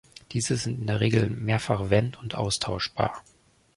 Diese sind in der Regel mehrfach wend- und austauschbar.